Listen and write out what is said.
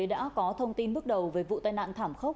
đã có thông tin bước đầu về vụ tai nạn thảm khốc